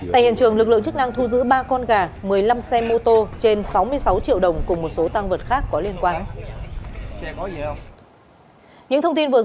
tại hiện trường lực lượng chức năng thu giữ ba con gà một mươi năm xe mô tô trên sáu mươi sáu triệu đồng cùng một số tăng vật khác có liên quan